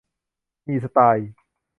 มีสไตล์